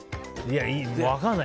分からない